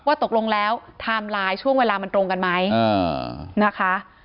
ว่าตกลงแล้วช่วงเวลามันตรงกันไหมอ่านะคะ